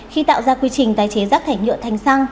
khi tạo ra quy trình tái chế rác thải nhựa thành xăng